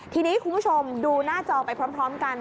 ทีนี้คุณผู้ชมดูหน้าจอไปพร้อมกัน